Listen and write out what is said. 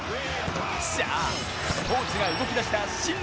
さあスポーツが動き出した新年